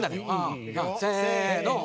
せの。